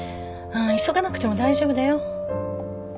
急がなくても大丈夫だよ。